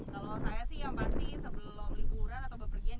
kalau saya sih yang pasti sebelum liburan atau bepergian